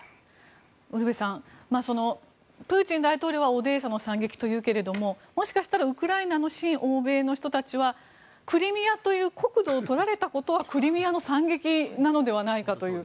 ウルヴェさんプーチン大統領はオデーサの惨劇というけれどももしかしたらウクライナの親欧米派の人たちはクリミアという国土を取られたことはクリミアの惨劇なのではないかという。